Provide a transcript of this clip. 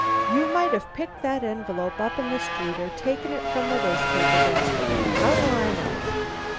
"You might have picked that envelope up in the street, or taken it from a wastepaper basket. How do I know?"